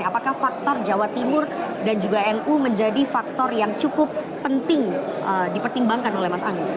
apakah faktor jawa timur dan juga nu menjadi faktor yang cukup penting dipertimbangkan oleh mas anies